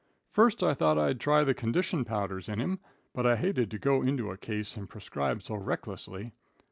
First I thought I'd try the condition powders in him, but I hated to go into a case and prescribe so recklessly.